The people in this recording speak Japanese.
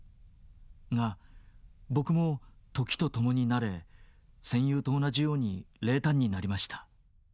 が僕も時とともに慣れ戦友と同じように冷淡になりました。